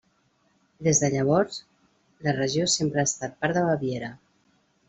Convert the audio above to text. Des de llavors, la regió sempre ha estat part de Baviera.